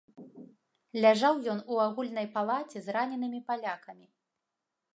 Ляжаў ён у агульнай палаце з раненымі палякамі.